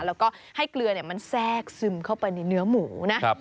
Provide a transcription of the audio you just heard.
แล้วก็ให้เกลือมันแทรกซึมเข้าไปในเนื้อหมูนะ